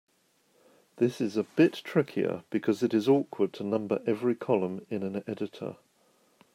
This is a bit trickier because it is awkward to number every column in an editor.